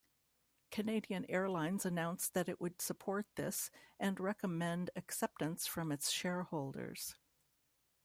Canadian Airlines announced that it would support this and recommend acceptance from its shareholders.